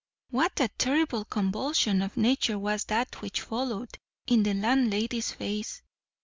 What a terrible convulsion of nature was that which followed in the landlady's face!